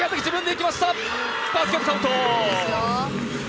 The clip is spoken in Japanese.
バスケットカウント！